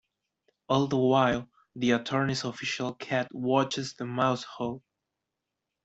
All the while, the attorney's official cat watches the mouse-hole.